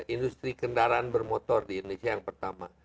industri kendaraan bermotor di indonesia yang pertama